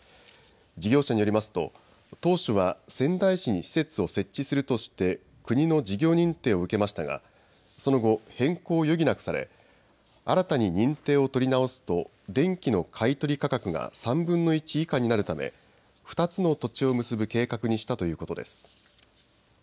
事業者によりますと当初は仙台市に施設を設置するとして国の事業認定を受けましたがその後、変更を余儀なくされ新たに認定を取り直すと電気の買い取り価格が３分の１以下になるため、２つの土地を結ぶ計画にしたということです。